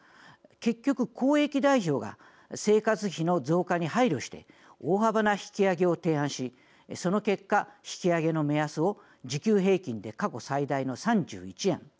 結局、公益代表が生活費の増加に配慮して大幅な引き上げを提案しその結果、引き上げの目安を時給平均で過去最大の３１円。